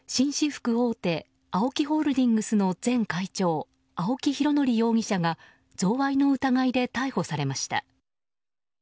服大手ＡＯＫＩホールディングスの前会長青木拡憲容疑者が贈賄の疑いで逮捕されました。